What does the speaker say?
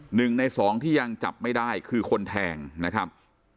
หนึ่งในสองที่ยังจับไม่ได้คือคนแทงนะครับ